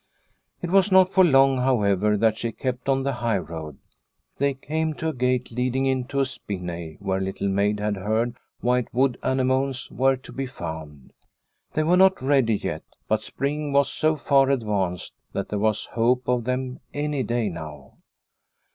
It was not for long, however, that she kept on the high road. They came to a gate leading into a spinney, where Little Maid had heard white wood ane mones were to be found. They were not ready yet, but spring was so far advanced that there was hope of them any day now.